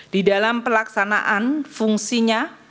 di dalam pelaksanaan fungsinya